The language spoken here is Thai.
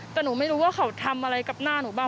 แต่หนูไม่รู้ว่าเขาทำอะไรกับหน้าหนูบ้าง